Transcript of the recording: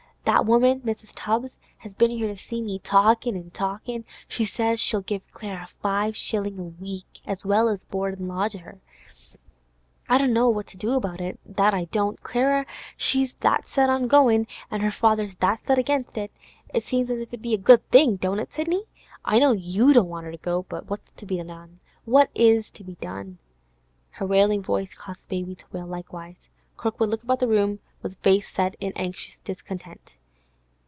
That woman Mrs. Tubbs has been here to see me, talkin' an' talkin'. She says she'll give Clara five shillin' a week, as well as board an' lodge her. I don't know what to do about it, that I don't. Clara, she's that set on goin', an' her father's that set against it. It seems as if it 'ud be a good thing, don't it, Sidney? I know you don't want her to go, but what's to be done? What is to be done?' Her wailing voice caused the baby to wail likewise. Kirkwood looked about the room with face set in anxious discontent.